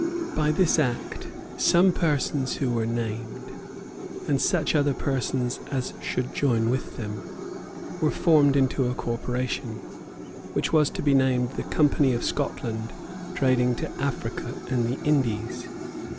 By this Act some persons who were named, and such other persons as should join with them, were formed into a corporation, which was to be named the Company of Scotland trading to Africa and the Indies.